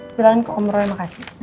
bilangin ke omro ya makasih